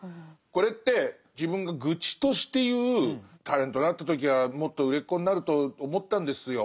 これって自分が愚痴として言う「タレントになった時はもっと売れっ子になると思ったんですよ。